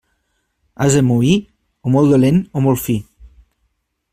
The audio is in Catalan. Ase moí, o molt dolent o molt fi.